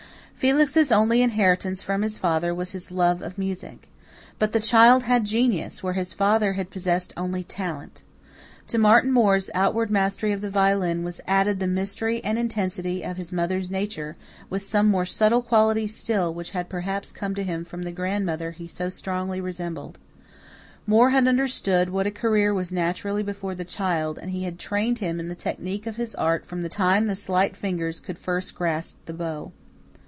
Felix's only inheritance from his father was his love of music. But the child had genius, where his father had possessed only talent. To Martin Moore's outward mastery of the violin was added the mystery and intensity of his mother's nature, with some more subtle quality still, which had perhaps come to him from the grandmother he so strongly resembled. Moore had understood what a career was naturally before the child, and he had trained him in the technique of his art from the time the slight fingers could first grasp the bow.